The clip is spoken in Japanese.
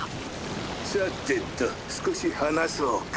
さてと少し話そうか。